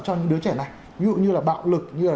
cho những đứa trẻ này ví dụ như là bạo lực như là